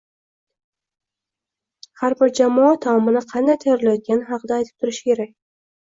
Har bir jamoa taomini qanday tayyorlayotgani haqida aytib turishi kerak.